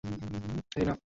হেই, না।